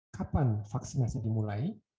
kapan vaksinasi dimulai